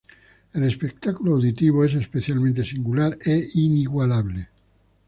El espectáculo auditivo es especialmente singular e inigualable.